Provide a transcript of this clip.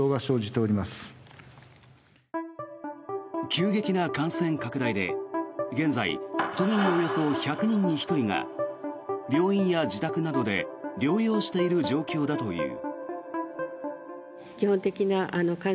急激な感染拡大で、現在都民のおよそ１００人に１人が病院や自宅などで療養している状況だという。